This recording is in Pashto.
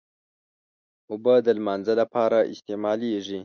اوبه د لمانځه لپاره استعمالېږي.